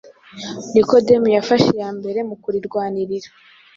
Nikodemu yafashe iya mbere mu kurirwanirira.